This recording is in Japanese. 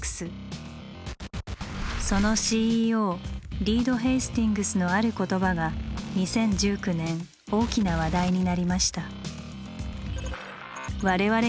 そのＣＥＯリード・ヘイスティングスのある言葉が２０１９年大きな話題になりました。